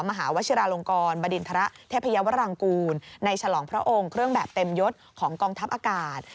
มหาวชิราลงกรบดินทรเทพยาวรังกูลในฉลองพระองค์เครื่องแบบเต็มยศของกองทัพอากาศ